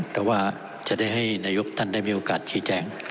แต่ว่าจะได้ให้นายกท่านได้มีโอกาสชี้แจง